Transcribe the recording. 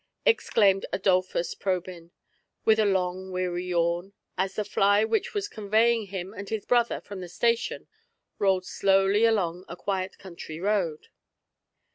exclaimed Adolplms Pro byn, with a long weary yawn, as the fly which was conveying him and his brother from the station rolled slowly along a quiet countiy road.